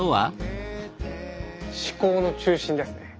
思考の中心ですね。